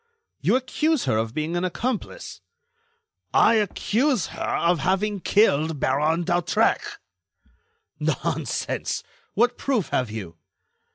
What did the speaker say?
"You accuse her of being an accomplice?" "I accuse her of having killed Baron d'Hautrec." "Nonsense! What proof have you?"